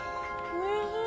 おいしい！